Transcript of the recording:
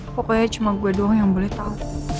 pokoknya cuma gue doang yang boleh tau